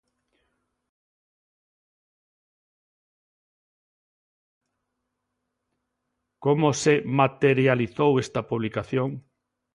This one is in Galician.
Como se materializou esta publicación?